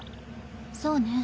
そうね。